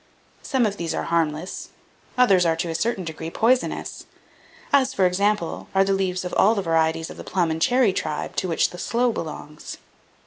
Some of these are harmless, others are to a certain degree poisonous; as, for example, are the leaves of all the varieties of the plum and cherry tribe, to which the sloe belongs.